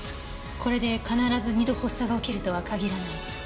これで必ず二度発作が起きるとは限らない。